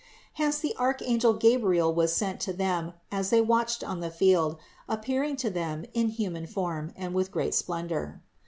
Hence the THE INCARNATION 415 archangel Gabriel was sent to them as they watched on the field, appearing to them in human form and with great splendor.